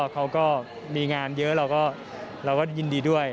เขาก็มีงานเยอะเราก็ยินดีด้วย